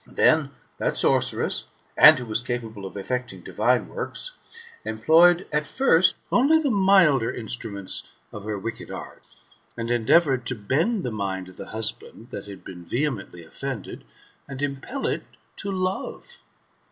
Then that sorceress, who as capable of effecting divine works, employed at first only the milder instruments of her wicked art, and endeavoured to bend the mind of the husband that had been vehemently offended, and impel it to love.